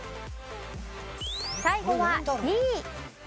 最後はＤ。